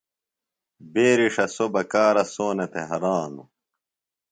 بیرݜہ سوۡ بکارہ سونہ تھےۡ ہرانوۡ۔